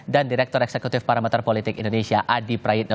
dan direktur eksekutif paramater politik indonesia adi prayitno